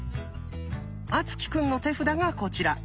敦貴くんの手札がこちら。